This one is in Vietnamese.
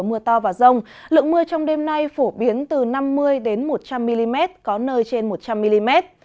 mưa to và rông lượng mưa trong đêm nay phổ biến từ năm mươi một trăm linh mm có nơi trên một trăm linh mm